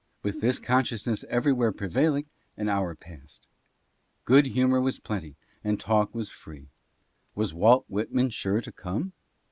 With this consciousness everywhere pre vailing, an hour passed. Good humor was plenty, and talk was free. Was Walt Whitman sure to come